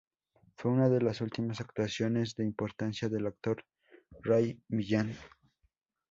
Fue una de las últimas actuaciones de importancia del actor Ray Millan.